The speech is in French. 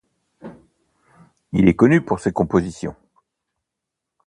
Il est connu pour ses compositions.